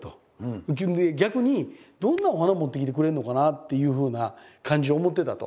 逆にどんなお花持ってきてくれるのかなっていうふうな感じで思ってたと。